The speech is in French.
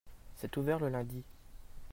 c'est ouvert le lundi.